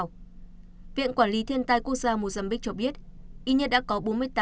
viện quản lý thiên tài quốc gia mozambique cho biết